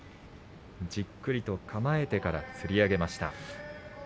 じっくりと構えてからつり上げました。